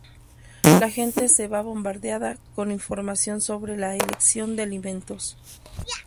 La gente se ve bombardeada con información sobre la elección de alimentos.